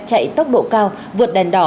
chạy tốc độ cao vượt đèn đỏ